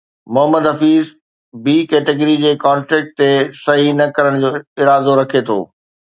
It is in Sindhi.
محمد حفيظ بي ڪيٽيگري جي ڪانٽريڪٽ تي صحيح نه ڪرڻ جو ارادو رکي ٿو